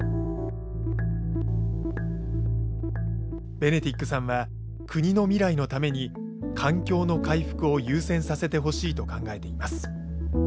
ベネティックさんは国の未来のために環境の回復を優先させてほしいと考えています。